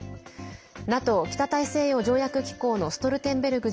ＮＡＴＯ＝北大西洋条約機構のストルテンベルグ